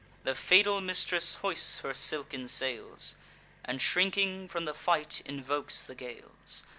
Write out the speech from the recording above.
The fatal mistress hoists her silken sails, And, shrinking from the fight, invokes the gales.